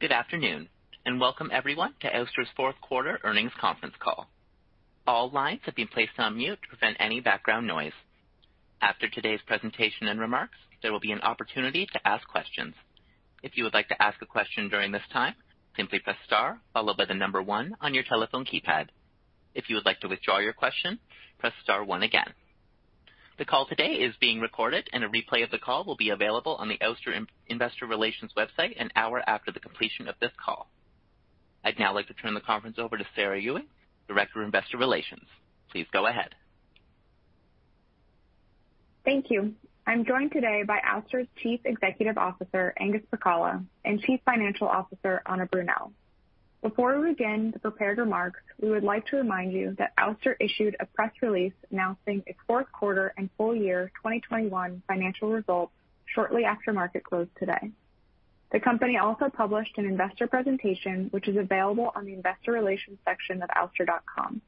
Good afternoon and welcome everyone to Ouster's Fourth Quarter Earnings Conference Call. All lines have been placed on mute to prevent any background noise. After today's presentation and remarks, there will be an opportunity to ask questions. If you would like to ask a question during this time, simply press star followed by the number one on your telephone keypad. If you would like to withdraw your question, press star one again. The call today is being recorded and a replay of the call will be available on the Ouster Investor Relations website an hour after the completion of this call. I'd now like to turn the conference over to Sarah Ewing, Director of Investor Relations. Please go ahead. Thank you. I'm joined today by Ouster's Chief Executive Officer, Angus Pacala and Chief Financial Officer, Anna Brunell. Before we begin the prepared remarks, we would like to remind you that Ouster issued a press release announcing its fourth quarter and full year 2021 financial results shortly after market close today. The company also published an investor presentation which is available on the investor relations section of ouster.com.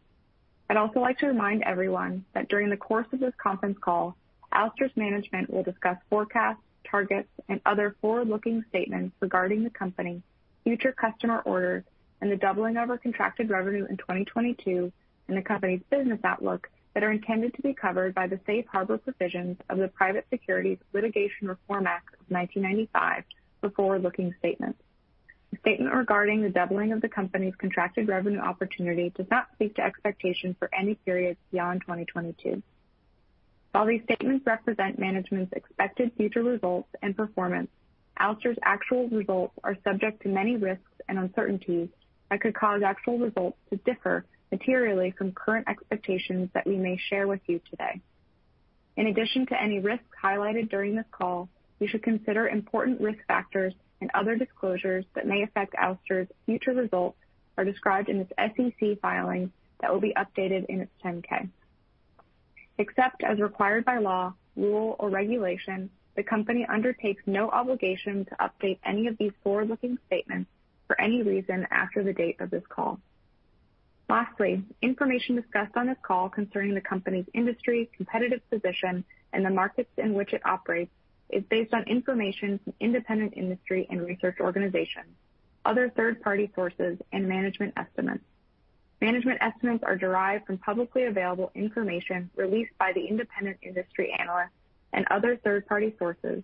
I'd also like to remind everyone that during the course of this conference call, Ouster's management will discuss forecasts, targets and other forward-looking statements regarding the company, future customer orders and the doubling of our contracted revenue in 2022 and the company's business outlook that are intended to be covered by the safe harbor provisions of the Private Securities Litigation Reform Act of 1995 for forward-looking statements. The statement regarding the doubling of the company's contracted revenue opportunity does not speak to expectations for any period beyond 2022. While these statements represent management's expected future results and performance, Ouster's actual results are subject to many risks and uncertainties that could cause actual results to differ materially from current expectations that we may share with you today. In addition to any risks highlighted during this call, you should consider important risk factors and other disclosures that may affect Ouster's future results are described in its SEC filing that will be updated in its 10-K. Except as required by law, rule or regulation, the company undertakes no obligation to update any of these forward-looking statements for any reason after the date of this call. Lastly, information discussed on this call concerning the company's industry, competitive position, and the markets in which it operates is based on information from independent industry and research organizations, other third-party sources and management estimates. Management estimates are derived from publicly available information released by the independent industry analysts and other third-party sources,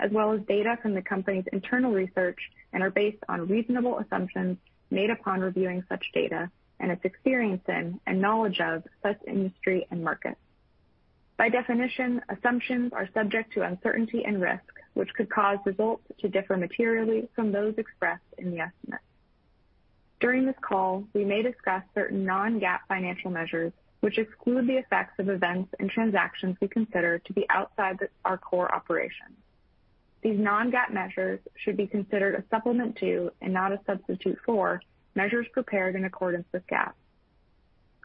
as well as data from the company's internal research and are based on reasonable assumptions made upon reviewing such data and its experience in and knowledge of such industry and markets. By definition, assumptions are subject to uncertainty and risk which could cause results to differ materially from those expressed in the estimates. During this call, we may discuss certain non-GAAP financial measures which exclude the effects of events and transactions we consider to be outside our core operations. These non-GAAP measures should be considered a supplement to, and not a substitute for, measures prepared in accordance with GAAP.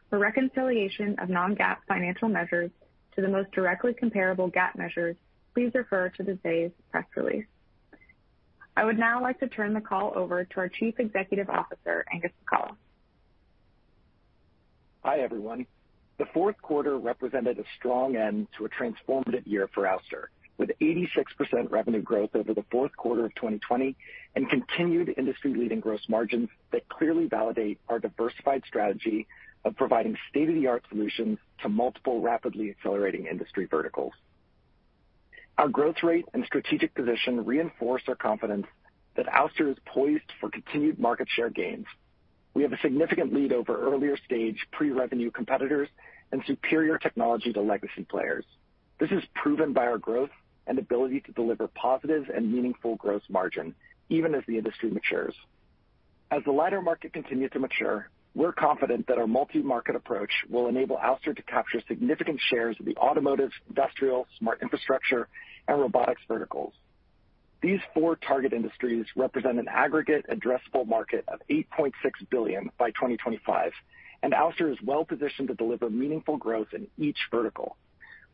For reconciliation of non-GAAP financial measures to the most directly comparable GAAP measures, please refer to today's press release. I would now like to turn the call over to our Chief Executive Officer, Angus Pacala. Hi, everyone. The fourth quarter represented a strong end to a transformative year for Ouster, with 86% revenue growth over the fourth quarter of 2020 and continued industry-leading gross margins that clearly validate our diversified strategy of providing state-of-the-art solutions to multiple rapidly accelerating industry verticals. Our growth rate and strategic position reinforce our confidence that Ouster is poised for continued market share gains. We have a significant lead over earlier-stage pre-revenue competitors and superior technology to legacy players. This is proven by our growth and ability to deliver positive and meaningful gross margin, even as the industry matures. As the lidar market continued to mature, we're confident that our multi-market approach will enable Ouster to capture significant shares of the automotive, industrial, smart infrastructure, and robotics verticals. These four target industries represent an aggregate addressable market of $8.6 billion by 2025 and Ouster is well-positioned to deliver meaningful growth in each vertical.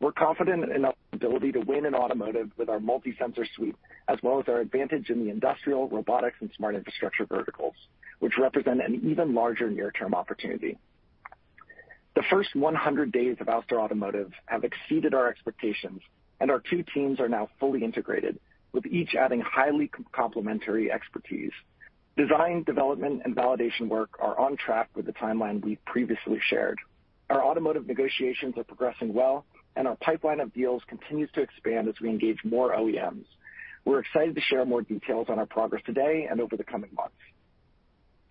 We're confident in our ability to win in automotive with our multi-sensor suite, as well as our advantage in the industrial, robotics and smart infrastructure verticals which represent an even larger near-term opportunity. The first 100 days of Ouster Automotive have exceeded our expectations, and our two teams are now fully integrated, with each adding highly complementary expertise. Design, development and validation work are on track with the timeline we've previously shared. Our automotive negotiations are progressing well and our pipeline of deals continues to expand as we engage more OEMs. We're excited to share more details on our progress today and over the coming months.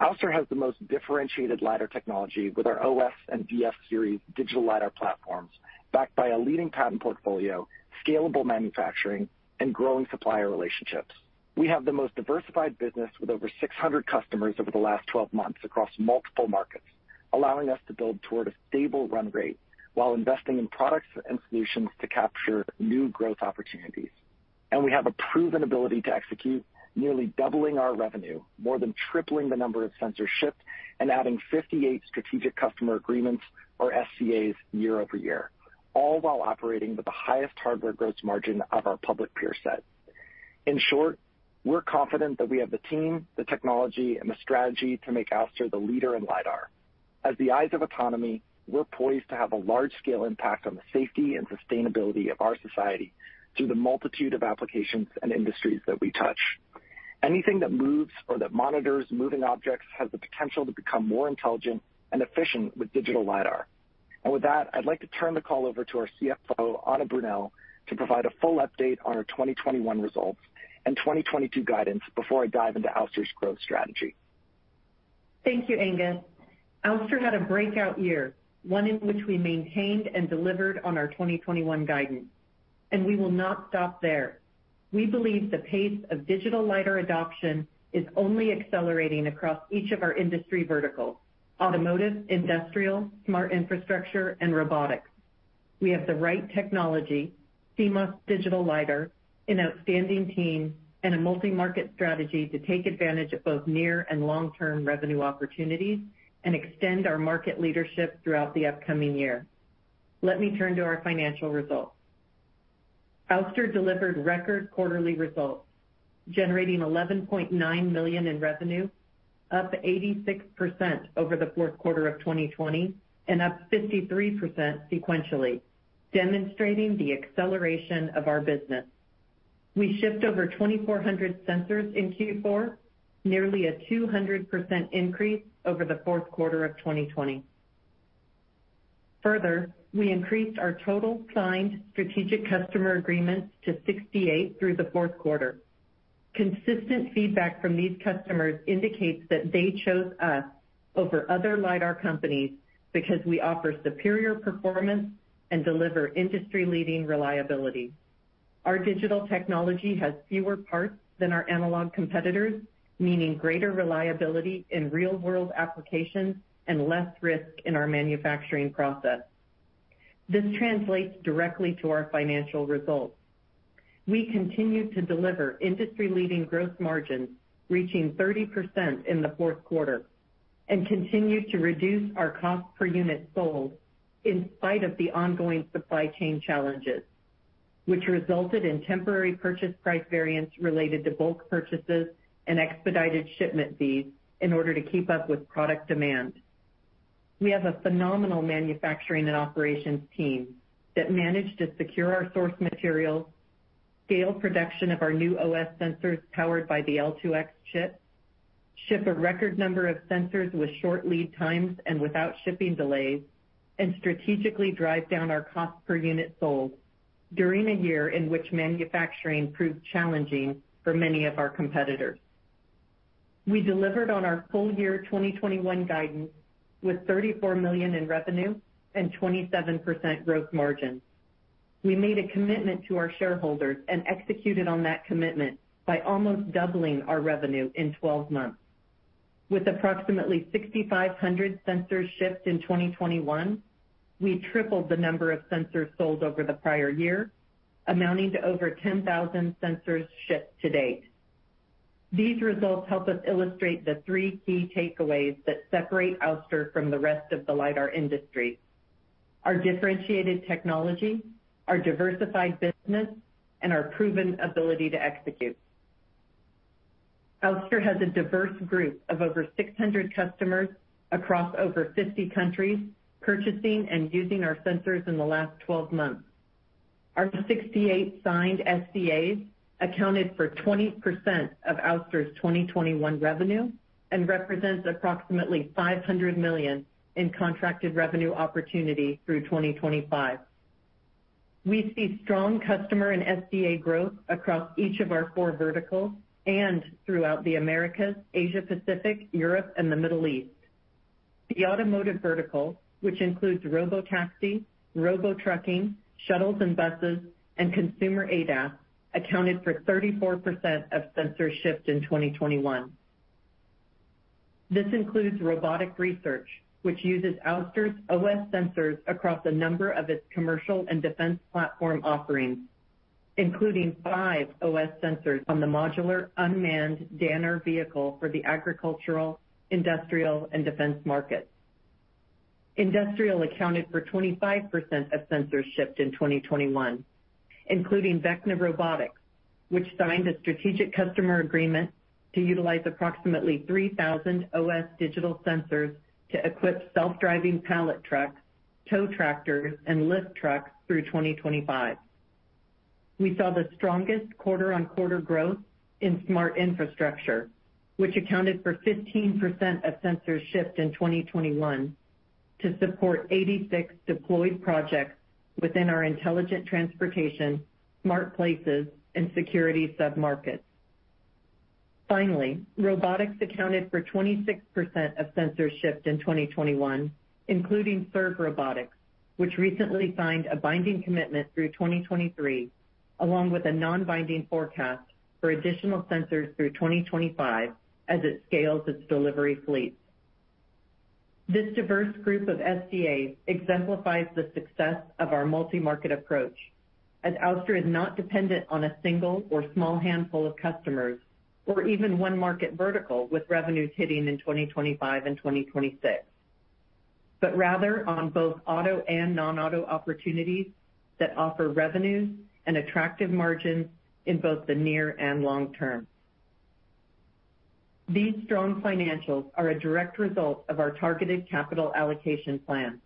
Ouster has the most differentiated lidar technology with our OS and DF series digital lidar platforms, backed by a leading patent portfolio, scalable manufacturing and growing supplier relationships. We have the most diversified business with over 600 customers over the last 12 months across multiple markets, allowing us to build toward a stable run rate while investing in products and solutions to capture new growth opportunities. We have a proven ability to execute, nearly doubling our revenue, more than tripling the number of sensors shipped and adding 58 strategic customer agreements or SCAs year over year, all while operating with the highest hardware gross margin of our public peer set. In short, we're confident that we have the team, the technology and the strategy to make Ouster the leader in lidar. As the eyes of autonomy, we're poised to have a large-scale impact on the safety and sustainability of our society through the multitude of applications and industries that we touch. Anything that moves or that monitors moving objects has the potential to become more intelligent and efficient with digital lidar. With that, I'd like to turn the call over to our CFO, Anna Brunell, to provide a full update on our 2021 results and 2022 guidance before I dive into Ouster's growth strategy. Thank you, Angus. Ouster had a breakout year, one in which we maintained and delivered on our 2021 guidance, and we will not stop there. We believe the pace of digital lidar adoption is only accelerating across each of our industry verticals: automotive, industrial, smart infrastructure and robotics. We have the right technology, Ouster's digital lidar, an outstanding team and a multi-market strategy to take advantage of both near and long-term revenue opportunities and extend our market leadership throughout the upcoming year. Let me turn to our financial results. Ouster delivered record quarterly results, generating $11.9 million in revenue, up 86% over the fourth quarter of 2020 and up 53% sequentially, demonstrating the acceleration of our business. We shipped over 2,400 sensors in Q4, nearly a 200% increase over the fourth quarter of 2020. Further, we increased our total signed strategic customer agreements to 68 through the fourth quarter. Consistent feedback from these customers indicates that they chose us over other lidar companies because we offer superior performance and deliver industry-leading reliability. Our digital technology has fewer parts than our analog competitors, meaning greater reliability in real-world applications and less risk in our manufacturing process. This translates directly to our financial results. We continue to deliver industry-leading gross margins, reaching 30% in the fourth quarter and continue to reduce our cost per unit sold in spite of the ongoing supply chain challenges which resulted in temporary purchase price variance related to bulk purchases and expedited shipment fees in order to keep up with product demand. We have a phenomenal manufacturing and operations team that managed to secure our source materials, scale production of our new OS sensors powered by the L2X chip, ship a record number of sensors with short lead times and without shipping delays and strategically drive down our cost per unit sold during a year in which manufacturing proved challenging for many of our competitors. We delivered on our full year 2021 guidance with $34 million in revenue and 27% gross margin. We made a commitment to our shareholders and executed on that commitment by almost doubling our revenue in 12 months. With approximately 6,500 sensors shipped in 2021, we tripled the number of sensors sold over the prior year, amounting to over 10,000 sensors shipped to date. These results help us illustrate the three key takeaways that separate Ouster from the rest of the lidar industry. Our differentiated technology, our diversified business and our proven ability to execute. Ouster has a diverse group of over 600 customers across over 50 countries purchasing and using our sensors in the last 12 months. Our 68 signed SCAs accounted for 20% of Ouster's 2021 revenue and represents approximately $500 million in contracted revenue opportunity through 2025. We see strong customer and SCA growth across each of our four verticals and throughout the Americas, Asia Pacific, Europe and the Middle East. The automotive vertical which includes robotaxi, robotrucking, shuttles and buses and consumer ADAS, accounted for 34% of sensors shipped in 2021. This includes Robotic Research which uses Ouster's OS sensors across a number of its commercial and defense platform offerings, including 5 OS sensors on the modular unmanned Danner vehicle for the agricultural, industrial and defense markets. Industrial accounted for 25% of sensors shipped in 2021, including Vecna Robotics, which signed a strategic customer agreement to utilize approximately 3,000 OS digital sensors to equip self-driving pallet trucks, tow tractors and lift trucks through 2025. We saw the strongest quarter-on-quarter growth in smart infrastructure which accounted for 15% of sensors shipped in 2021 to support 86 deployed projects within our intelligent transportation, smart places and security submarkets. Finally, robotics accounted for 26% of sensors shipped in 2021, including Serve Robotics which recently signed a binding commitment through 2023, along with a non-binding forecast for additional sensors through 2025 as it scales its delivery fleet. This diverse group of SCAs exemplifies the success of our multi-market approach, as Ouster is not dependent on a single or small handful of customers or even one market vertical with revenues hitting in 2025 and 2026 but rather on both auto and non-auto opportunities that offer revenues and attractive margins in both the near and long term. These strong financials are a direct result of our targeted capital allocation plan.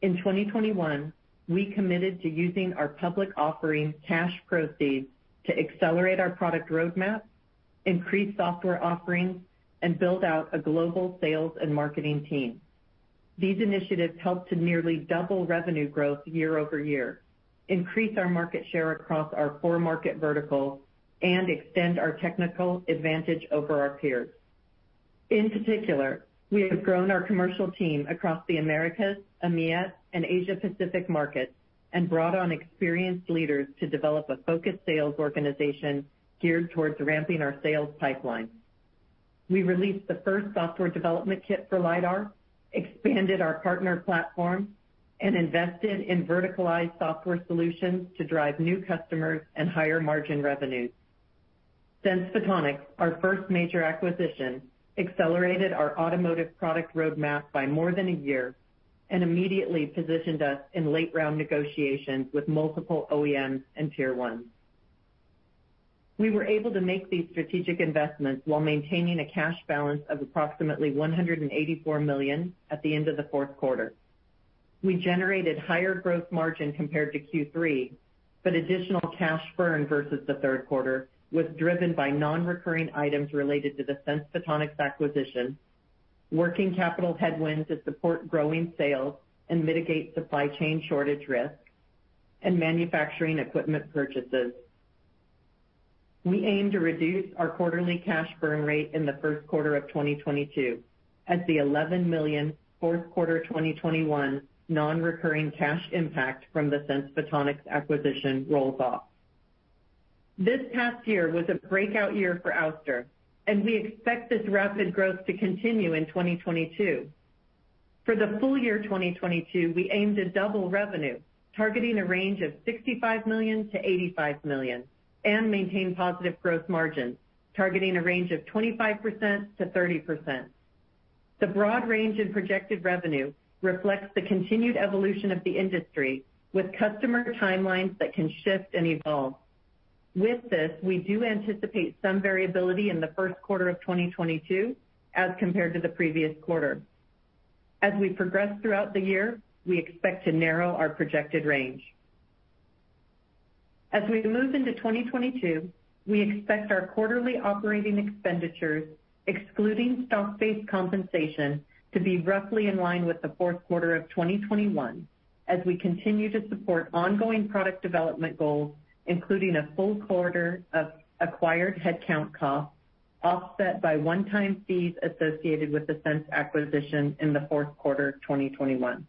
In 2021, we committed to using our public offering cash proceeds to accelerate our product roadmap, increase software offerings and build out a global sales and marketing team. These initiatives helped to nearly double revenue growth year over year, increase our market share across our four market verticals and extend our technical advantage over our peers. In particular, we have grown our commercial team across the Americas, EMEA and Asia Pacific markets, and brought on experienced leaders to develop a focused sales organization geared towards ramping our sales pipeline. We released the first software development kit for lidar, expanded our partner platform and invested in verticalized software solutions to drive new customers and higher margin revenues. Sense Photonics, our first major acquisition, accelerated our automotive product roadmap by more than a year and immediately positioned us in late round negotiations with multiple OEMs and tier ones. We were able to make these strategic investments while maintaining a cash balance of approximately $184 million at the end of the fourth quarter. We generated higher gross margin compared to Q3 but additional cash burn versus the third quarter was driven by non-recurring items related to the Sense Photonics acquisition, working capital headwinds to support growing sales and mitigate supply chain shortage risks and manufacturing equipment purchases. We aim to reduce our quarterly cash burn rate in the first quarter of 2022 as the $11 million fourth quarter 2021 non-recurring cash impact from the Sense Photonics acquisition rolls off. This past year was a breakout year for Ouster and we expect this rapid growth to continue in 2022. For the full year 2022, we aim to double revenue, targeting a range of $65 million-$85 million and maintain positive gross margins, targeting a range of 25%-30%. The broad range in projected revenue reflects the continued evolution of the industry with customer timelines that can shift and evolve. With this, we do anticipate some variability in the first quarter of 2022 as compared to the previous quarter. As we progress throughout the year, we expect to narrow our projected range. As we move into 2022, we expect our quarterly operating expenditures, excluding stock-based compensation, to be roughly in line with the fourth quarter of 2021 as we continue to support ongoing product development goals, including a full quarter of acquired headcount costs, offset by one-time fees associated with the Sense acquisition in the fourth quarter of 2021.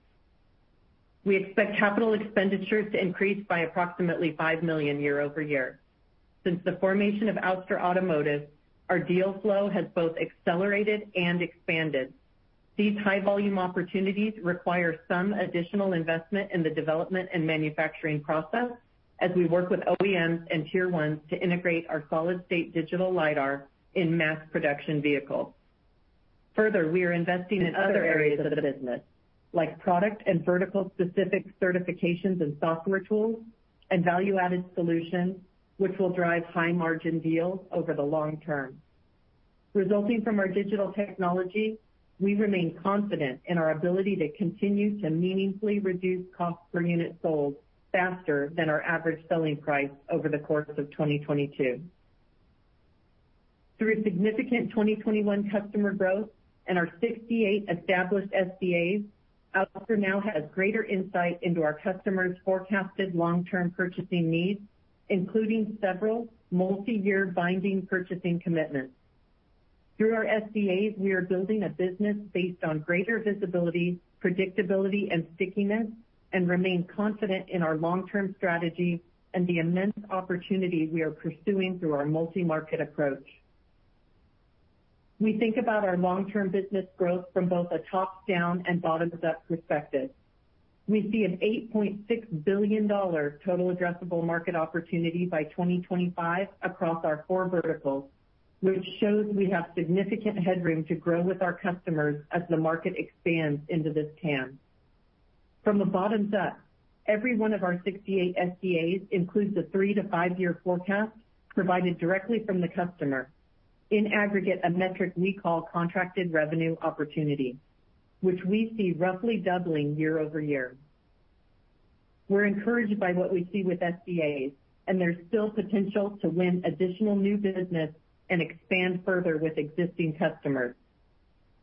We expect capital expenditures to increase by approximately $5 million year-over-year. Since the formation of Ouster Automotive, our deal flow has both accelerated and expanded. These high volume opportunities require some additional investment in the development and manufacturing process as we work with OEMs and tier ones to integrate our solid state digital lidar in mass production vehicles. Further, we are investing in other areas of the business like product and vertical specific certifications and software tools and value-added solutions which will drive high margin deals over the long term. Resulting from our digital technology, we remain confident in our ability to continue to meaningfully reduce cost per unit sold faster than our average selling price over the course of 2022. Through significant 2021 customer growth and our 68 established SCAs, Ouster now has greater insight into our customers' forecasted long-term purchasing needs, including several multiyear binding purchasing commitments. Through our SCAs, we are building a business based on greater visibility, predictability and stickiness and remain confident in our long-term strategy and the immense opportunities we are pursuing through our multi-market approach. We think about our long-term business growth from both a top-down and bottom-up perspective. We see an $8.6 billion total addressable market opportunity by 2025 across our four verticals which shows we have significant headroom to grow with our customers as the market expands into this TAM. From a bottom-up, every one of our 68 SCAs includes a three to five year forecast provided directly from the customer. In aggregate, a metric we call contracted revenue opportunity which we see roughly doubling year-over-year. We're encouraged by what we see with SCAs and there's still potential to win additional new business and expand further with existing customers.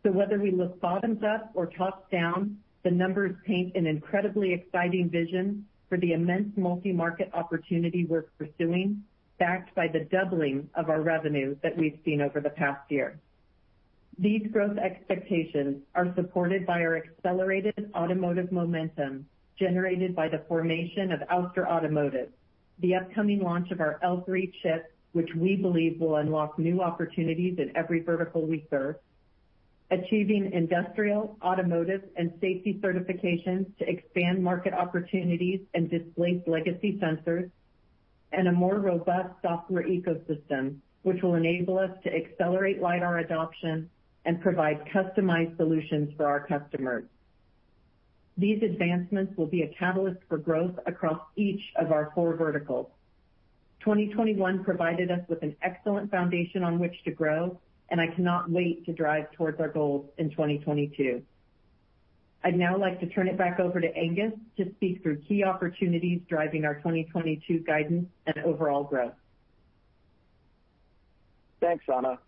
Whether we look bottoms up or top down, the numbers paint an incredibly exciting vision for the immense multi-market opportunity we're pursuing, backed by the doubling of our revenue that we've seen over the past year. These growth expectations are supported by our accelerated automotive momentum generated by the formation of Ouster Automotive, the upcoming launch of our L3 chip which we believe will unlock new opportunities in every vertical we serve, achieving industrial, automotive and safety certifications to expand market opportunities and displace legacy sensors and a more robust software ecosystem which will enable us to accelerate lidar adoption and provide customized solutions for our customers. These advancements will be a catalyst for growth across each of our core verticals. 2021 provided us with an excellent foundation on which to grow and I cannot wait to drive towards our goals in 2022. I'd now like to turn it back over to Angus to speak through key opportunities driving our 2022 guidance and overall growth. Thanks, Anna.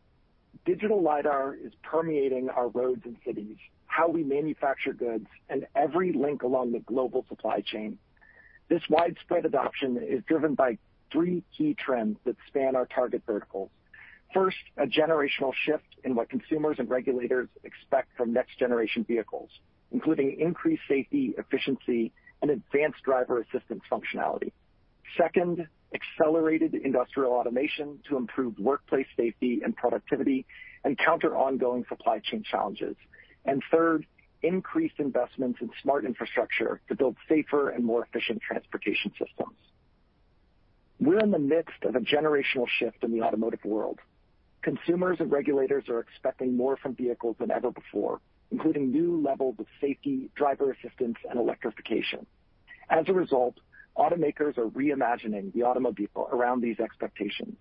Digital lidar is permeating our roads and cities, how we manufacture goods and every link along the global supply chain. This widespread adoption is driven by three key trends that span our target verticals. First, a generational shift in what consumers and regulators expect from next-generation vehicles, including increased safety, efficiency and advanced driver assistance functionality. Second, accelerated industrial automation to improve workplace safety and productivity and counter ongoing supply chain challenges. Third, increased investments in smart infrastructure to build safer and more efficient transportation systems. We're in the midst of a generational shift in the automotive world. Consumers and regulators are expecting more from vehicles than ever before, including new levels of safety, driver assistance and electrification. As a result, automakers are reimagining the automobile around these expectations.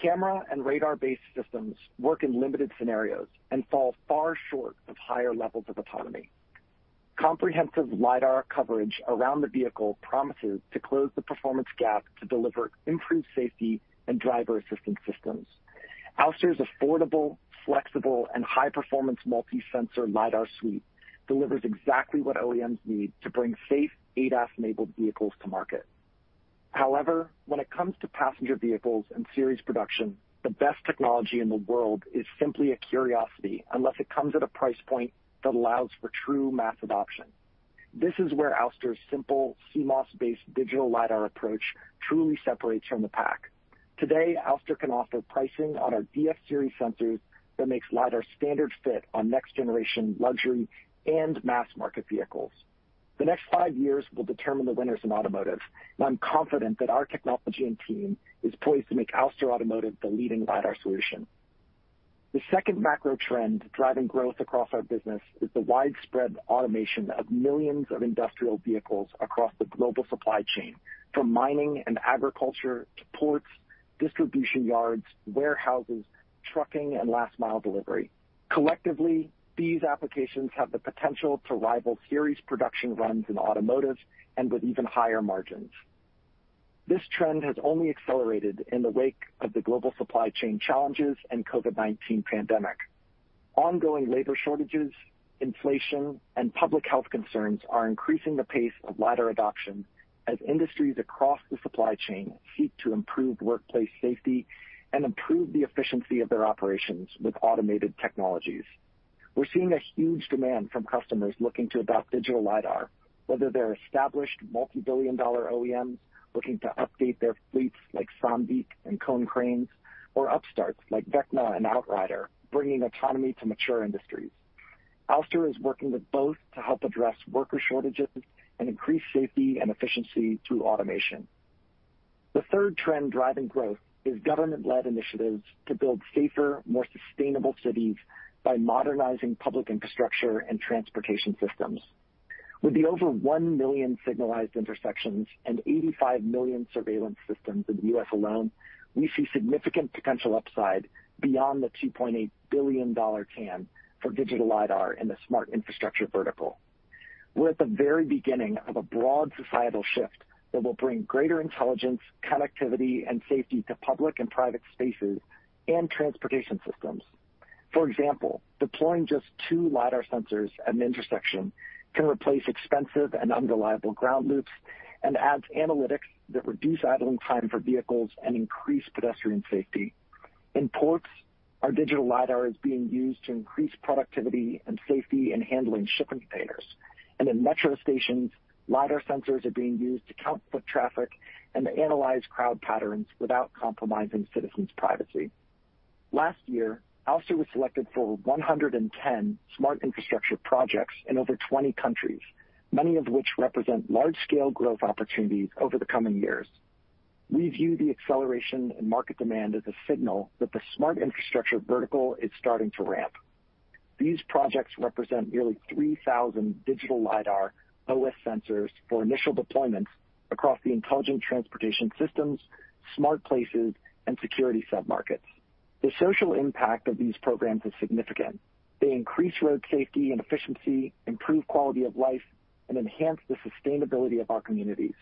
Camera and radar-based systems work in limited scenarios and fall far short of higher levels of autonomy. Comprehensive lidar coverage around the vehicle promises to close the performance gap to deliver improved safety and driver assistance systems. Ouster's affordable, flexible and high-performance multi-sensor lidar suite delivers exactly what OEMs need to bring safe ADAS-enabled vehicles to market. However, when it comes to passenger vehicles and series production, the best technology in the world is simply a curiosity unless it comes at a price point that allows for true mass adoption. This is where Ouster's simple CMOS-based digital lidar approach truly separates from the pack. Today, Ouster can offer pricing on our DF series sensors that makes lidar standard fit on next generation luxury and mass market vehicles. The next five years will determine the winners in automotive and I'm confident that our technology and team is poised to make Ouster Automotive the leading lidar solution. The second macro trend driving growth across our business is the widespread automation of millions of industrial vehicles across the global supply chain, from mining and agriculture to ports, distribution yards, warehouses, trucking and last mile delivery. Collectively, these applications have the potential to rival series production runs in automotive and with even higher margins. This trend has only accelerated in the wake of the global supply chain challenges and COVID-19 pandemic. Ongoing labor shortages, inflation and public health concerns are increasing the pace of lidar adoption as industries across the supply chain seek to improve workplace safety and improve the efficiency of their operations with automated technologies. We're seeing a huge demand from customers looking to adopt digital lidar, whether they're established multi-billion dollar OEMs looking to update their fleets like Sandvik and Konecranes or upstarts like Vecna and Outrider, bringing autonomy to mature industries. Ouster is working with both to help address worker shortages and increase safety and efficiency through automation. The third trend driving growth is government-led initiatives to build safer, more sustainable cities by modernizing public infrastructure and transportation systems. With the over 1 million signalized intersections and 85 million surveillance systems in the U.S. alone, we see significant potential upside beyond the $2.8 billion TAM for digital lidar in the smart infrastructure vertical. We're at the very beginning of a broad societal shift that will bring greater intelligence, connectivity and safety to public and private spaces and transportation systems. For example, deploying just two lidar sensors at an intersection can replace expensive and unreliable ground loops and adds analytics that reduce idling time for vehicles and increase pedestrian safety. In ports, our digital lidar is being used to increase productivity and safety in handling shipping containers. In metro stations, lidar sensors are being used to count foot traffic and to analyze crowd patterns without compromising citizens' privacy. Last year, Ouster was selected for 110 smart infrastructure projects in over 20 countries, many of which represent large-scale growth opportunities over the coming years. We view the acceleration in market demand as a signal that the smart infrastructure vertical is starting to ramp. These projects represent nearly 3,000 digital lidar OS sensors for initial deployments across the intelligent transportation systems, smart places and security submarkets. The social impact of these programs is significant. They increase road safety and efficiency, improve quality of life and enhance the sustainability of our communities.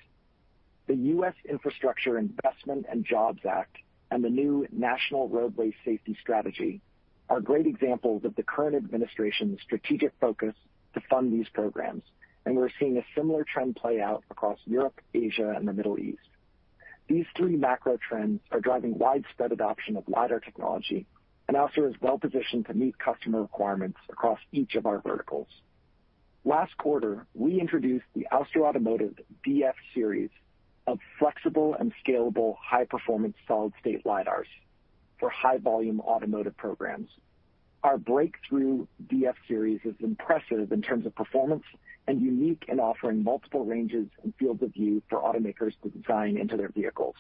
The U.S. Infrastructure Investment and Jobs Act and the new National Roadway Safety Strategy are great examples of the current administration's strategic focus to fund these programs and we're seeing a similar trend play out across Europe, Asia and the Middle East. These three macro trends are driving widespread adoption of lidar technology and Ouster is well-positioned to meet customer requirements across each of our verticals. Last quarter, we introduced the Ouster Automotive DF Series of flexible and scalable high-performance solid-state lidars for high-volume automotive programs. Our breakthrough DF Series is impressive in terms of performance and unique in offering multiple ranges and fields of view for automakers to design into their vehicles.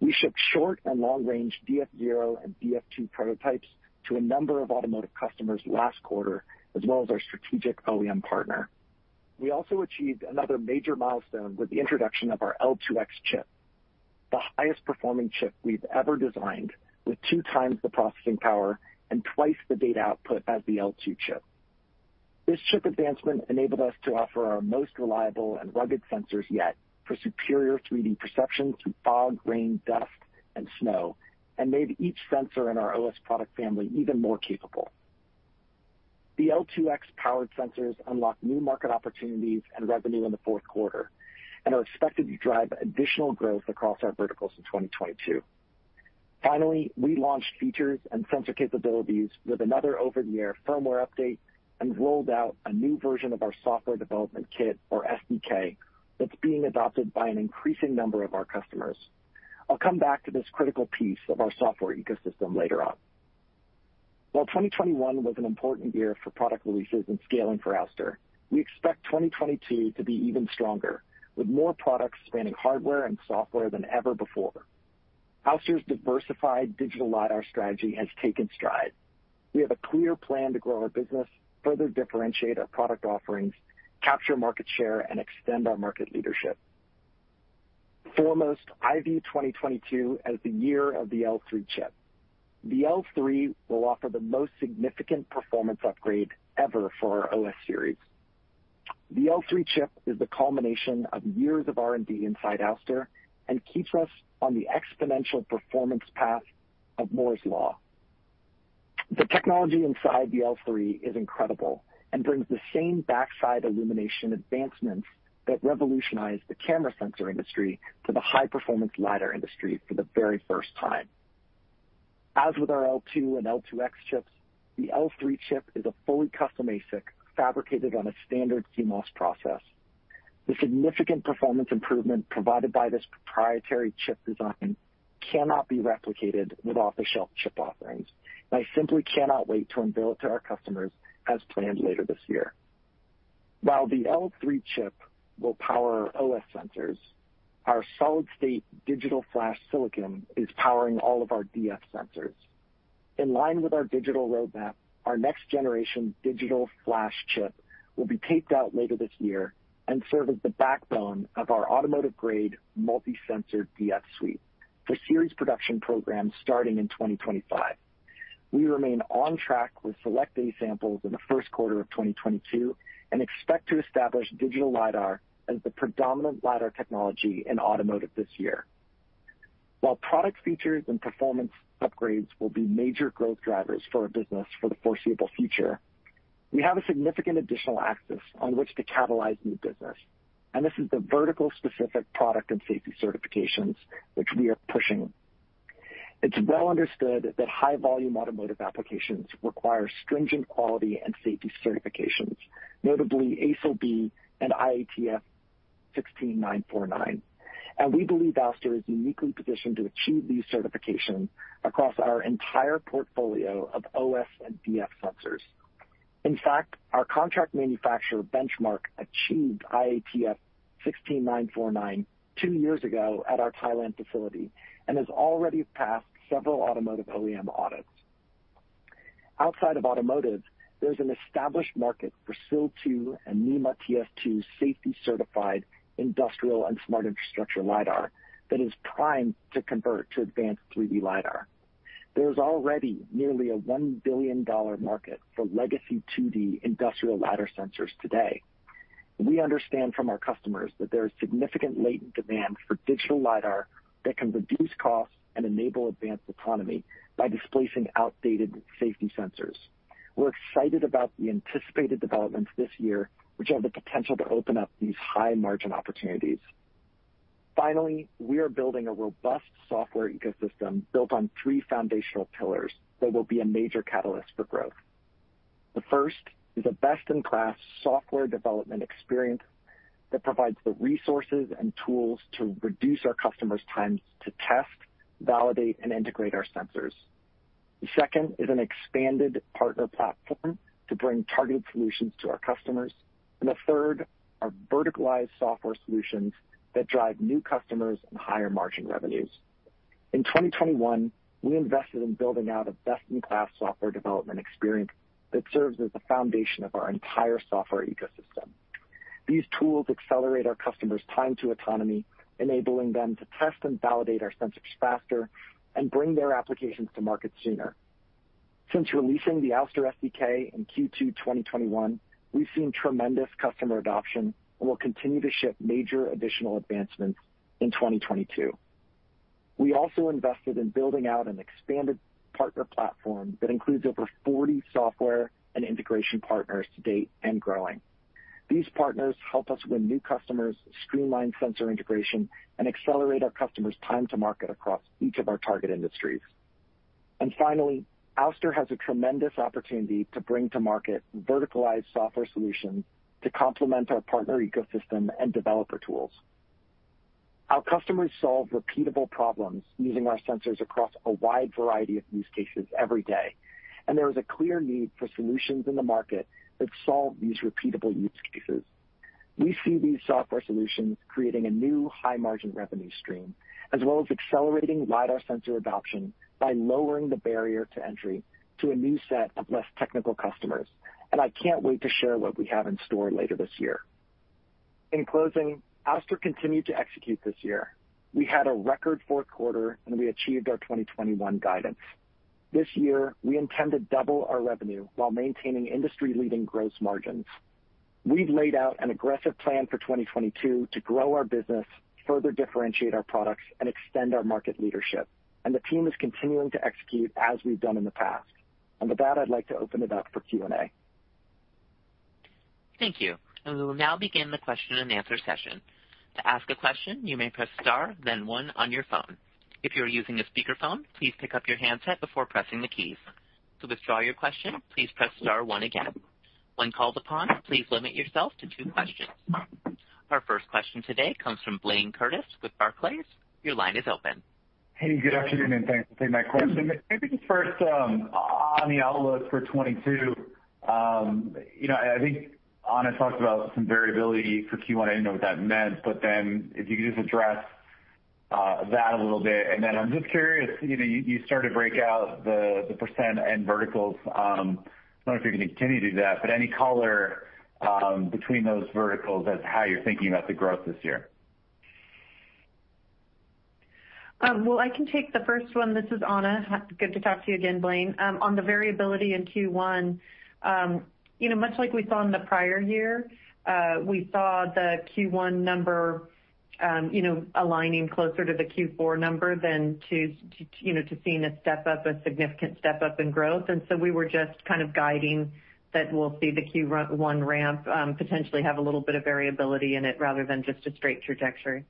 We shipped short and long range DF0 and DF2 prototypes to a number of automotive customers last quarter, as well as our strategic OEM partner. We also achieved another major milestone with the introduction of our L2X chip, the highest performing chip we've ever designed with two times the processing power and twice the data output as the L2 chip. This chip advancement enabled us to offer our most reliable and rugged sensors yet for superior 3D perception through fog, rain, dust, and snow and made each sensor in our OS product family even more capable. The L2X powered sensors unlock new market opportunities and revenue in the fourth quarter and are expected to drive additional growth across our verticals in 2022. Finally, we launched features and sensor capabilities with another over-the-air firmware update and rolled out a new version of our software development kit, or SDK, that's being adopted by an increasing number of our customers. I'll come back to this critical piece of our software ecosystem later on. While 2021 was an important year for product releases and scaling for Ouster, we expect 2022 to be even stronger with more products spanning hardware and software than ever before. Ouster's diversified digital lidar strategy has taken strides. We have a clear plan to grow our business, further differentiate our product offerings, capture market share and extend our market leadership. Foremost, I view 2022 as the year of the L3 chip. The L3 will offer the most significant performance upgrade ever for our OS series. The L3 chip is the culmination of years of R&D inside Ouster and keeps us on the exponential performance path of Moore's Law. The technology inside the L3 is incredible and brings the same backside illumination advancements that revolutionized the camera sensor industry to the high-performance lidar industry for the very first time. As with our L2 and L2X chips, the L3 chip is a fully custom ASIC fabricated on a standard CMOS process. The significant performance improvement provided by this proprietary chip design cannot be replicated with off-the-shelf chip offerings. I simply cannot wait to unveil it to our customers as planned later this year. While the L3 chip will power OS sensors, our solid-state Digital Flash silicon is powering all of our DF sensors. In line with our digital roadmap, our next generation Digital Flash chip will be taped out later this year and serve as the backbone of our automotive-grade multi-sensor DF suite for series production programs starting in 2025. We remain on track with select A samples in the first quarter of 2022 and expect to establish digital lidar as the predominant lidar technology in automotive this year. While product features and performance upgrades will be major growth drivers for our business for the foreseeable future, we have a significant additional axis on which to catalyze new business and this is the vertical specific product and safety certifications which we are pushing. It's well understood that high volume automotive applications require stringent quality and safety certifications, notably ASIL B and IATF 16949. We believe Ouster is uniquely positioned to achieve these certifications across our entire portfolio of OS and DF sensors. In fact, our contract manufacturer, Benchmark, achieved IATF 16949 two years ago at our Thailand facility and has already passed several automotive OEM audits. Outside of automotive, there's an established market for SIL 2 and NEMA TS2 safety certified industrial and smart infrastructure lidar that is primed to convert to advanced 3D lidar. There is already nearly a $1 billion market for legacy 2D industrial lidar sensors today. We understand from our customers that there is significant latent demand for digital lidar that can reduce costs and enable advanced autonomy by displacing outdated safety sensors. We're excited about the anticipated developments this year which have the potential to open up these high margin opportunities. Finally, we are building a robust software ecosystem built on three foundational pillars that will be a major catalyst for growth. The first is a best-in-class software development experience that provides the resources and tools to reduce our customers' times to test, validate and integrate our sensors. The second is an expanded partner platform to bring targeted solutions to our customers. The third are verticalized software solutions that drive new customers and higher margin revenues. In 2021, we invested in building out a best-in-class software development experience that serves as the foundation of our entire software ecosystem. These tools accelerate our customers' time to autonomy, enabling them to test and validate our sensors faster and bring their applications to market sooner. Since releasing the Ouster SDK in Q2 2021, we've seen tremendous customer adoption and will continue to ship major additional advancements in 2022. We also invested in building out an expanded partner platform that includes over 40 software and integration partners to date and growing. These partners help us win new customers, streamline sensor integration and accelerate our customers' time to market across each of our target industries. Finally, Ouster has a tremendous opportunity to bring to market verticalized software solutions to complement our partner ecosystem and developer tools. Our customers solve repeatable problems using our sensors across a wide variety of use cases every day and there is a clear need for solutions in the market that solve these repeatable use cases. We see these software solutions creating a new high-margin revenue stream, as well as accelerating lidar sensor adoption by lowering the barrier to entry to a new set of less technical customers. I can't wait to share what we have in store later this year. In closing, Ouster continued to execute this year. We had a record fourth quarter and we achieved our 2021 guidance. This year, we intend to double our revenue while maintaining industry-leading gross margins. We've laid out an aggressive plan for 2022 to grow our business, further differentiate our products, and extend our market leadership. The team is continuing to execute as we've done in the past. With that, I'd like to open it up for Q&A. Thank you. We will now begin the question-and-answer session. To ask a question, you may press star then one on your phone. If you are using a speakerphone, please pick up your handset before pressing the keys. To withdraw your question, please press star one again. When called upon, please limit yourself to two questions. Our first question today comes from Blayne Curtis with Barclays. Your line is open. Hey, good afternoon and thanks for taking my question. Maybe just first, on the outlook for 2022, you know, I think Anna talked about some variability for Q1. I didn't know what that meant but then if you could just address that a little bit. I'm just curious, you know, you started to break out the percent in verticals. I don't know if you're gonna continue to do that but any color between those verticals as to how you're thinking about the growth this year? Well, I can take the first one. This is Anna. Good to talk to you again, Blayne. On the variability in Q1, you know, much like we saw in the prior year, we saw the Q1 number, you know, aligning closer to the Q4 number than to seeing a step-up, a significant step-up in growth. We were just kind of guiding that we'll see the Q1 ramp, potentially have a little bit of variability in it rather than just a straight trajectory.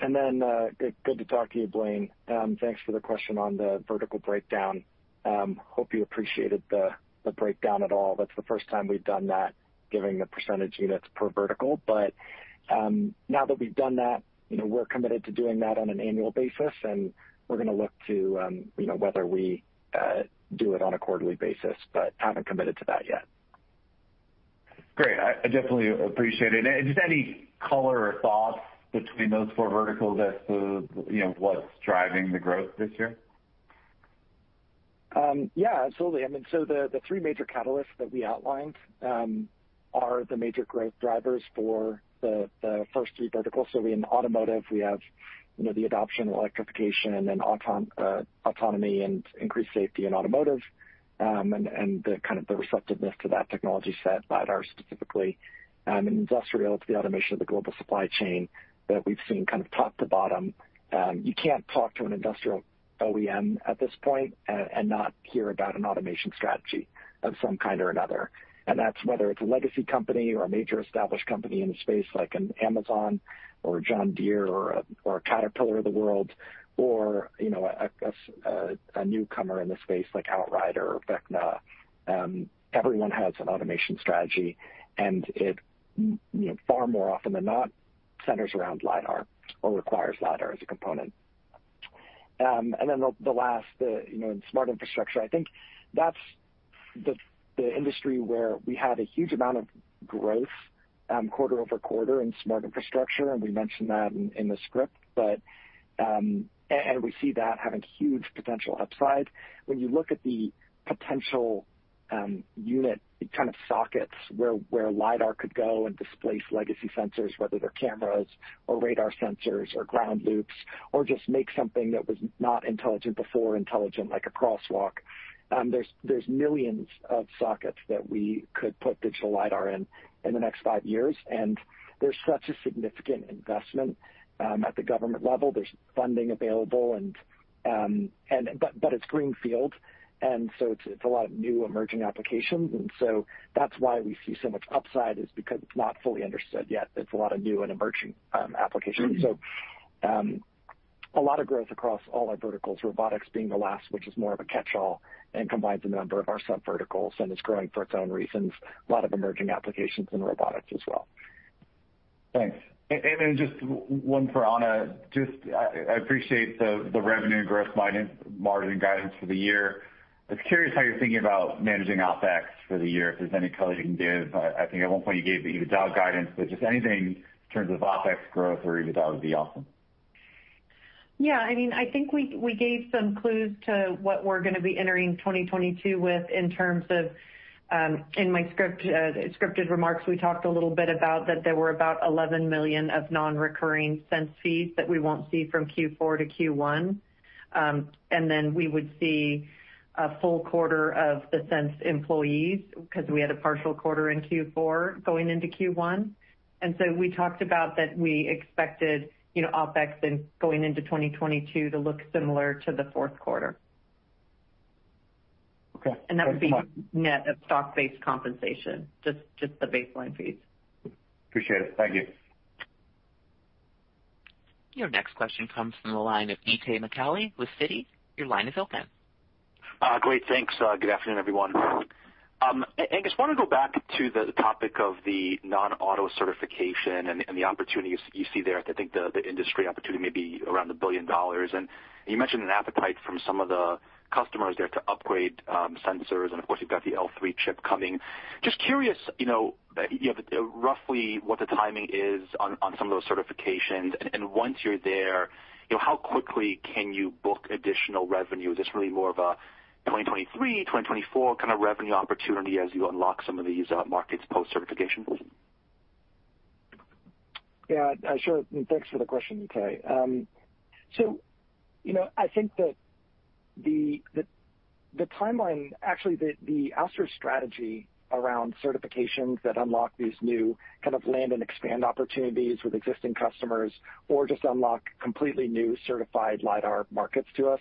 Good to talk to you, Blayne. Thanks for the question on the vertical breakdown. Hope you appreciated the breakdown at all. That's the first time we've done that, giving the percentage units per vertical. Now that we've done that, you know, we're committed to doing that on an annual basis and we're gonna look to, you know, whether we do it on a quarterly basis but haven't committed to that yet. Great. I definitely appreciate it. Just any color or thoughts between those four verticals as to, you know, what's driving the growth this year? Yeah, absolutely. I mean, the three major catalysts that we outlined are the major growth drivers for the first three verticals. In automotive, we have, you know, the adoption of electrification and then autonomy and increased safety in automotive and the kind of the receptiveness to that technology set, lidar specifically. In industrial, it's the automation of the global supply chain that we've seen kind of top to bottom. You can't talk to an industrial OEM at this point and not hear about an automation strategy of some kind or another. That's whether it's a legacy company or a major established company in the space like an Amazon or a John Deere or a Caterpillar of the world or, you know, a newcomer in the space like Outrider or Vecna. Everyone has an automation strategy and it you know far more often than not centers around LiDAR or requires LiDAR as a component. The last you know in smart infrastructure I think that's the industry where we had a huge amount of growth quarter-over-quarter in smart infrastructure and we mentioned that in the script. We see that having huge potential upside. When you look at the potential unit kind of sockets where LiDAR could go and displace legacy sensors whether they're cameras or radar sensors or ground loops or just make something that was not intelligent before intelligent like a crosswalk there are millions of sockets that we could put digital LiDAR in in the next five years. There's such a significant investment at the government level. There's funding available but it's greenfield and so it's a lot of new emerging applications. That's why we see so much upside is because it's not fully understood yet. It's a lot of new and emerging applications. A lot of growth across all our verticals, robotics being the last which is more of a catchall and combines a number of our subverticals and is growing for its own reasons. A lot of emerging applications in robotics as well. Thanks. Just one for Anna. I appreciate the revenue and gross guidance, margin guidance for the year. I was curious how you're thinking about managing OpEx for the year, if there's any color you can give. I think at one point you gave the EBITDA guidance but just anything in terms of OpEx growth or EBITDA would be awesome. Yeah, I mean, I think we gave some clues to what we're gonna be entering 2022 with in terms of in my scripted remarks, we talked a little bit about that there were about $11 million of non-recurring Sense fees that we won't see from Q4 to Q1. Then we would see a full quarter of the Sense employees 'cause we had a partial quarter in Q4 going into Q1. We talked about that we expected, you know, OpEx going into 2022 to look similar to the fourth quarter. Okay. That would be net of stock-based compensation, just the baseline fees. Appreciate it. Thank you. Your next question comes from the line of Itay Michaeli with Citi. Your line is open. Great, thanks. Good afternoon, everyone. Angus, want to go back to the topic of the non-auto certification and the opportunities you see there. I think the industry opportunity may be around $1 billion. You mentioned an appetite from some of the customers there to upgrade sensors and of course you've got the L3 chip coming. Just curious, you know, roughly what the timing is on some of those certifications. Once you're there, you know, how quickly can you book additional revenue? Is this really more of a 2023, 2024 kind of revenue opportunity as you unlock some of these markets post-certification? Yeah, sure. Thanks for the question, Itay. So, you know, I think that the timeline, actually the Ouster strategy around certifications that unlock these new kind of land and expand opportunities with existing customers or just unlock completely new certified lidar markets to us,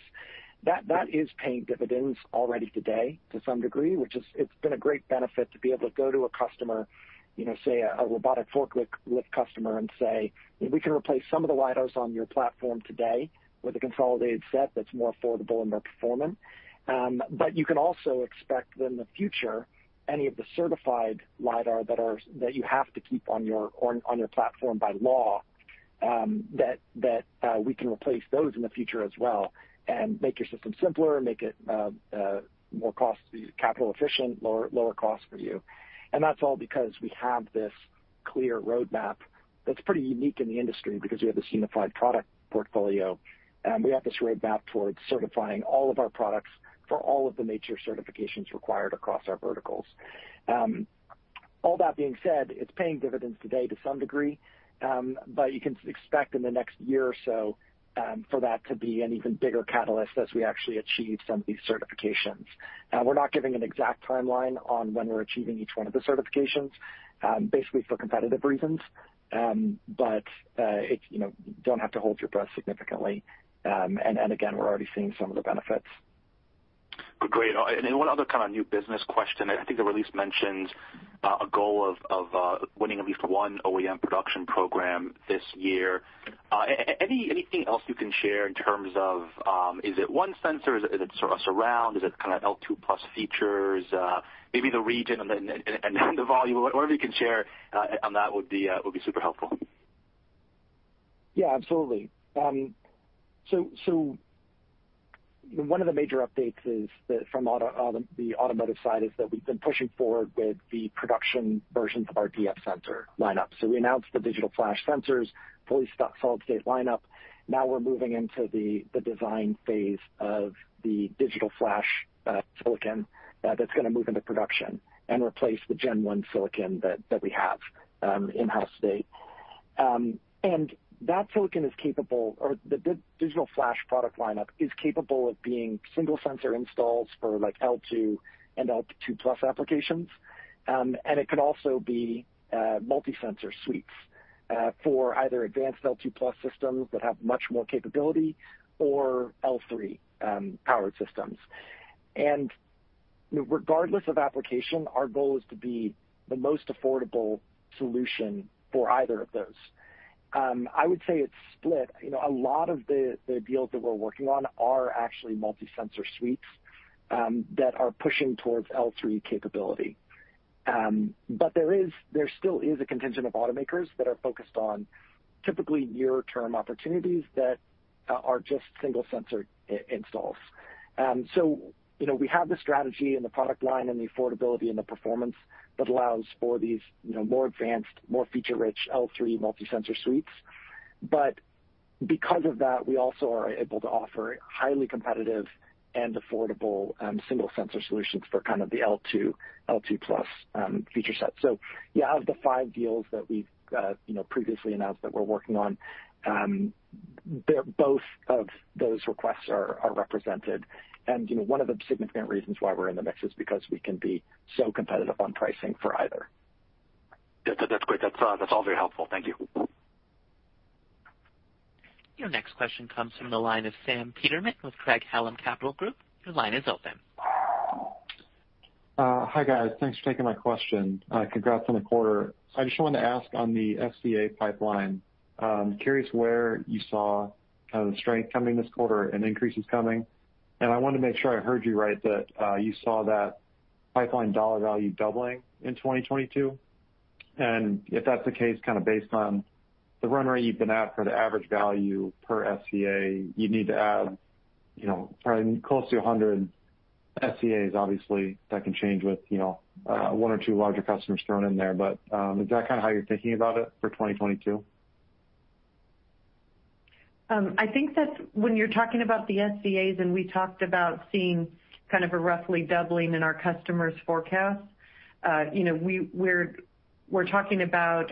that is paying dividends already today to some degree, which is, it's been a great benefit to be able to go to a customer, you know, say a robotic forklift lift customer and say, "We can replace some of the lidars on your platform today with a consolidated set that's more affordable and more performant. You can also expect that in the future, any of the certified lidar that you have to keep on your platform by law, that we can replace those in the future as well and make your system simpler, make it more cost-capital efficient, lower cost for you." That's all because we have this clear roadmap that's pretty unique in the industry because we have this unified product portfolio and we have this roadmap towards certifying all of our products for all of the major certifications required across our verticals. All that being said, it's paying dividends today to some degree, but you can expect in the next year or so for that to be an even bigger catalyst as we actually achieve some of these certifications. We're not giving an exact timeline on when we're achieving each one of the certifications, basically for competitive reasons. It's, you know, don't have to hold your breath significantly. Again, we're already seeing some of the benefits. Great. One other kind of new business question. I think the release mentions a goal of winning at least one OEM production program this year. Anything else you can share in terms of, is it one sensor? Is it surround? Is it kind of L2 plus features? Maybe the region and then and the volume. Whatever you can share on that would be super helpful. Yeah, absolutely. One of the major updates is that from the automotive side we've been pushing forward with the production versions of our DF sensor lineup. We announced the Digital Flash sensors, fully solid-state lineup. Now we're moving into the design phase of the Digital Flash silicon that's gonna move into production and replace the gen one silicon that we have in house today. That silicon is capable of the Digital Flash product lineup being single sensor installs for like L2 and L2 plus applications. It can also be multi-sensor suites for either advanced L2 plus systems that have much more capability or L3 powered systems. Regardless of application, our goal is to be the most affordable solution for either of those. I would say it's split. You know, a lot of the deals that we're working on are actually multi-sensor suites that are pushing towards L3 capability. There still is a contingent of automakers that are focused on typically near term opportunities that are just single sensor installs. You know, we have the strategy and the product line and the affordability and the performance that allows for these more advanced, more feature-rich L3 multi-sensor suites. Because of that, we also are able to offer highly competitive and affordable single sensor solutions for kind of the L2 plus feature set. Yeah, out of the 5 deals that we've previously announced that we're working on, both of those requests are represented. You know, one of the significant reasons why we're in the mix is because we can be so competitive on pricing for either. That's great. That's all very helpful. Thank you. Your next question comes from the line of Sam Peterman with Craig-Hallum Capital Group. Your line is open. Hi, guys. Thanks for taking my question. Congrats on the quarter. I just wanted to ask on the SCA pipeline, curious where you saw kind of the strength coming this quarter and increases coming. I wanted to make sure I heard you right that you saw that pipeline dollar value doubling in 2022. If that's the case, kind of based on the run rate you've been at for the average value per SCA, you'd need to add, you know, probably close to 100 SCAs. Obviously, that can change with, you know, one or two larger customers thrown in there. Is that kind of how you're thinking about it for 2022? I think that's when you're talking about the SCAs and we talked about seeing kind of a roughly doubling in our customers' forecasts, you know, we're talking about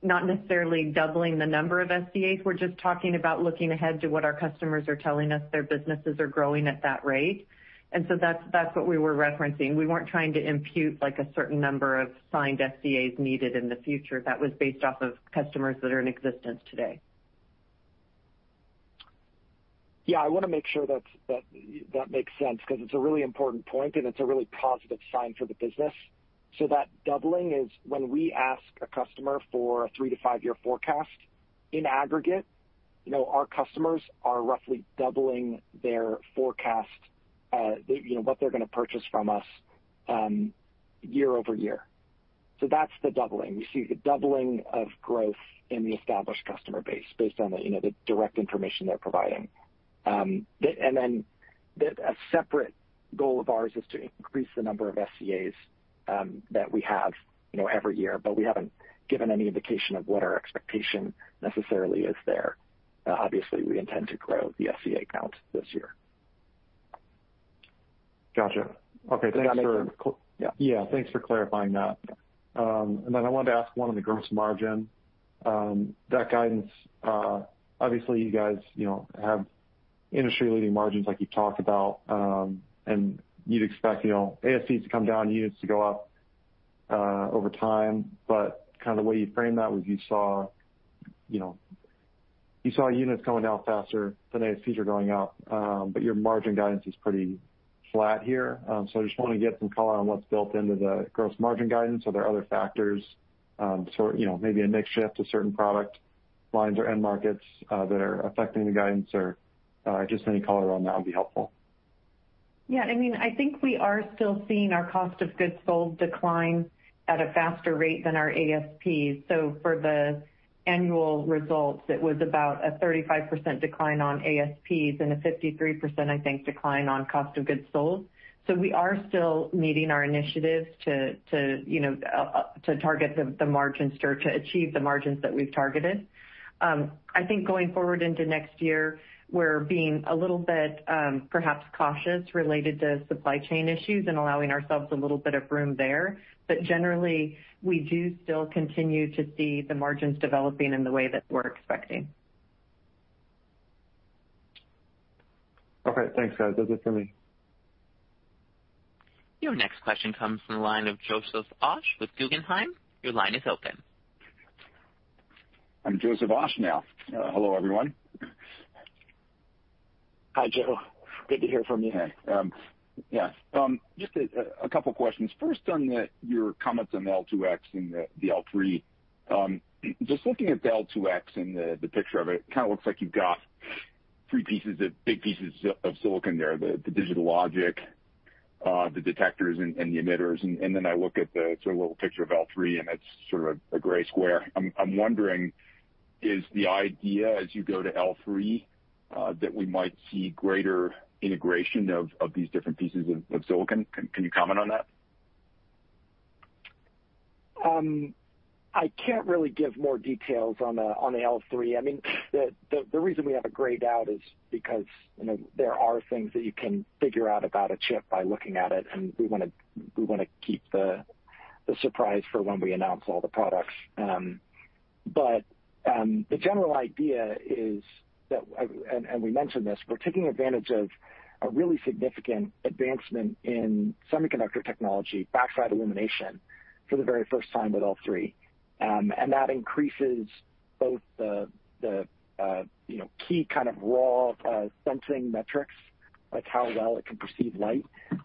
not necessarily doubling the number of SCAs. We're just talking about looking ahead to what our customers are telling us their businesses are growing at that rate. That's what we were referencing. We weren't trying to impute like a certain number of signed SCAs needed in the future. That was based off of customers that are in existence today. Yeah, I wanna make sure that makes sense because it's a really important point and it's a really positive sign for the business. That doubling is when we ask a customer for a three to five year forecast in aggregate. You know, our customers are roughly doubling their forecast, you know, what they're gonna purchase from us, year over year. That's the doubling. We see the doubling of growth in the established customer base based on the, you know, the direct information they're providing. A separate goal of ours is to increase the number of SCAs that we have, you know, every year but we haven't given any indication of what our expectation necessarily is there. Obviously, we intend to grow the SCA count this year. Gotcha. Okay. Thanks for Did that make sense? Yeah. Yeah. Thanks for clarifying that. Then I wanted to ask one on the gross margin. That guidance, obviously you guys, you know, have industry-leading margins like you talked about and you'd expect, you know, ASPs to come down, units to go up, over time. Kinda the way you framed that was you saw, you know, you saw units going down faster than ASPs are going up but your margin guidance is pretty flat here. I just wanna get some color on what's built into the gross margin guidance. Are there other factors, you know, maybe a mix shift to certain product lines or end markets, that are affecting the guidance or, just any color on that would be helpful. Yeah, I mean, I think we are still seeing our cost of goods sold decline at a faster rate than our ASPs. For the annual results, it was about a 35% decline on ASPs and a 53%, I think, decline on cost of goods sold. We are still meeting our initiatives to you know to target the margins or to achieve the margins that we've targeted. I think going forward into next year, we're being a little bit perhaps cautious related to supply chain issues and allowing ourselves a little bit of room there. Generally, we do still continue to see the margins developing in the way that we're expecting. Okay, thanks. That does it for me. Your next question comes from the line of Joseph Osha with Guggenheim. Your line is open. Joseph Osha now. Hello, everyone. Hi, Joe. Good to hear from you. Yeah, yeah. Just a couple questions. First, on your comments on the L2X and the L3. Just looking at the L2X and the picture of it kind of looks like you've got three big pieces of silicon there, the digital logic, the detectors and the emitters. Then I look at the sort of little picture of L3 and it's sort of a gray square. I'm wondering, is the idea as you go to L3 that we might see greater integration of these different pieces of silicon? Can you comment on that? I can't really give more details on the L3. I mean, the reason we have it grayed out is because, you know, there are things that you can figure out about a chip by looking at it and we wanna keep the surprise for when we announce all the products. The general idea is that we mentioned this, we're taking advantage of a really significant advancement in semiconductor technology, backside illumination, for the very first time with L3. That increases both the, you know, key kind of raw sensing metrics, like how well it can perceive light.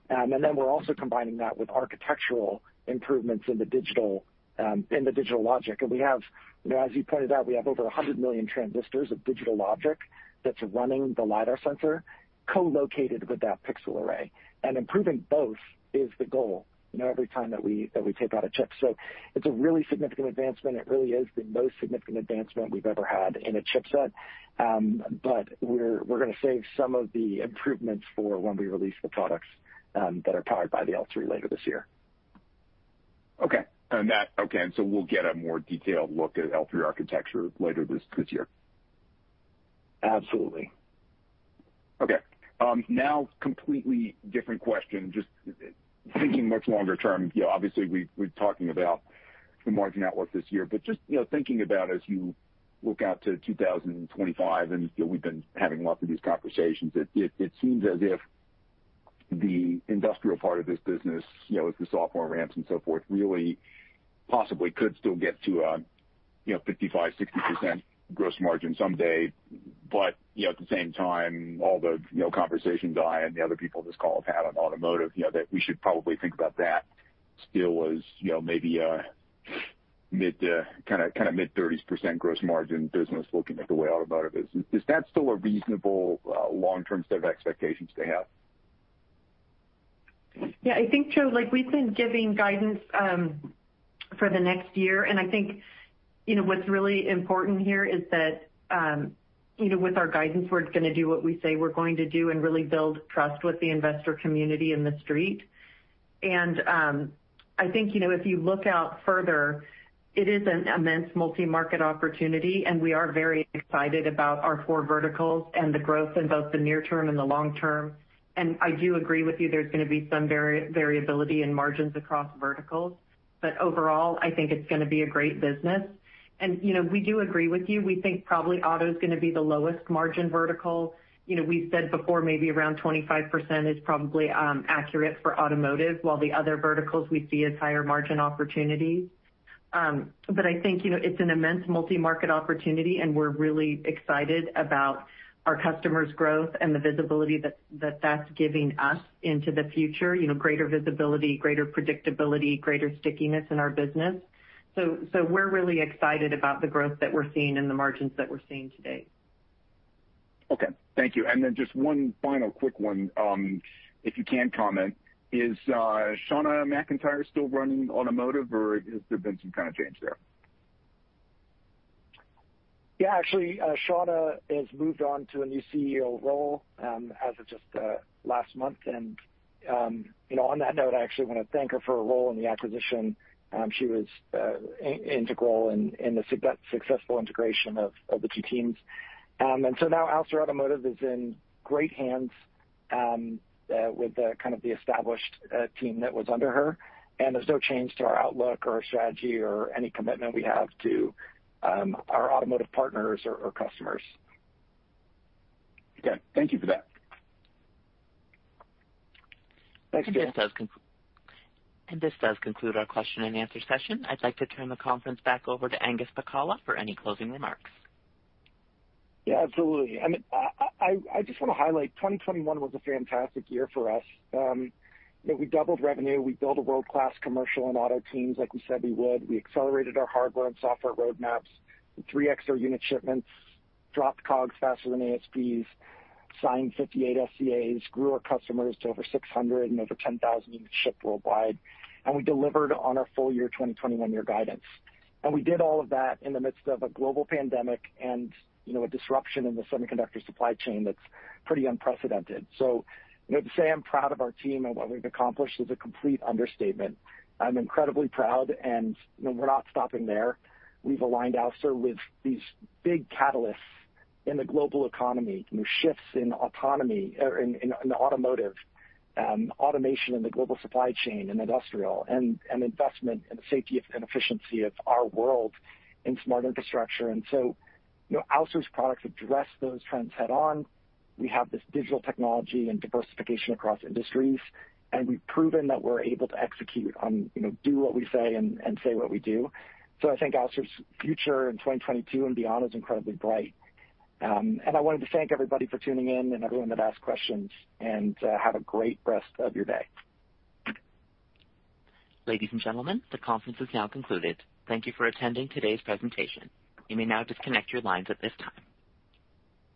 We're also combining that with architectural improvements in the digital logic. We have, you know, as you pointed out, we have over 100 million transistors of digital logic that's running the lidar sensor co-located with that pixel array. Improving both is the goal, you know, every time that we take out a chip. It's a really significant advancement. It really is the most significant advancement we've ever had in a chipset but we're gonna save some of the improvements for when we release the products that are powered by the L3 later this year. We'll get a more detailed look at L3 architecture later this year. Absolutely. Okay. Now completely different question, just thinking much longer term. You know, obviously we're talking about the margin outlook this year but just, you know, thinking about as you look out to 2025 and, you know, we've been having lots of these conversations. It seems as if the industrial part of this business, you know, as the software ramps and so forth, really possibly could still get to a, you know, 55%-60% gross margin someday but, you know, at the same time, all the, you know, conversations I and the other people on this call have had on automotive, you know, that we should probably think about that still as, you know, maybe a mid- to kinda mid-30s% gross margin business looking at the way automotive is. Is that still a reasonable, long-term set of expectations to have? Yeah, I think, Joe, like we've been giving guidance for the next year and I think, you know, what's really important here is that, you know, with our guidance, we're gonna do what we say we're going to do and really build trust with the investor community and the street. I think, you know, if you look out further, it is an immense multi-market opportunity and we are very excited about our four verticals and the growth in both the near term and the long term. I do agree with you, there's gonna be some variability in margins across verticals but overall I think it's gonna be a great business. You know, we do agree with you. We think probably auto is gonna be the lowest margin vertical. You know, we've said before maybe around 25% is probably accurate for automotive while the other verticals we see as higher margin opportunities. I think, you know, it's an immense multi-market opportunity and we're really excited about our customers' growth and the visibility that that's giving us into the future. You know, greater visibility, greater predictability, greater stickiness in our business. We're really excited about the growth that we're seeing and the margins that we're seeing today. Okay. Thank you. Just one final quick one, if you can comment. Is Shauna McIntyre still running automotive or has there been some kind of change there? Yeah. Actually, Shauna has moved on to a new CEO role as of just last month. You know, on that note, I actually wanna thank her for her role in the acquisition. She was integral in the successful integration of the two teams. Ouster Automotive is in great hands with the kind of established team that was under her. There's no change to our outlook or our strategy or any commitment we have to our automotive partners or customers. Okay, thank you for that. Thanks for asking. This does conclude our question and answer session. I'd like to turn the conference back over to Angus Pacala for any closing remarks. Yeah, absolutely. I mean, I just wanna highlight, 2021 was a fantastic year for us. You know, we doubled revenue. We built a world-class commercial and auto teams like we said we would. We accelerated our hardware and software roadmaps, 3x unit shipments, dropped COGS faster than ASPs, signed 58 SCAs, grew our customers to over 600 and over 10,000 units shipped worldwide and we delivered on our full year 2021 year guidance. We did all of that in the midst of a global pandemic and, you know, a disruption in the semiconductor supply chain that's pretty unprecedented. You know, to say I'm proud of our team and what we've accomplished is a complete understatement. I'm incredibly proud and, you know, we're not stopping there. We've aligned Ouster with these big catalysts in the global economy, new shifts in autonomy, or in automotive, automation in the global supply chain and industrial and investment in the safety of and efficiency of our world in smart infrastructure. You know, Ouster's products address those trends head on. We have this digital technology and diversification across industries and we've proven that we're able to execute on, you know, do what we say and say what we do. I think Ouster's future in 2022 and beyond is incredibly bright. I wanted to thank everybody for tuning in and everyone that asked questions and have a great rest of your day. Ladies and gentlemen, the conference is now concluded. Thank you for attending today's presentation. You may now disconnect your lines at this time.